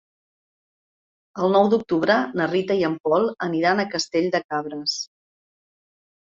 El nou d'octubre na Rita i en Pol aniran a Castell de Cabres.